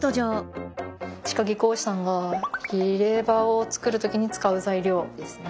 歯科技工士さんが入れ歯を作る時に使う材料ですね。